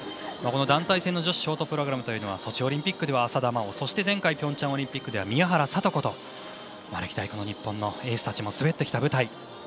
団体戦の女子ショートプログラムはソチオリンピックでは浅田真央前回ピョンチャンオリンピックは宮原知子と日本のエースたちも滑ってきた舞台。